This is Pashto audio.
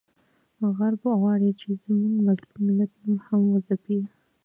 غرب غواړي چې زموږ مظلوم ملت نور هم وځپیږي،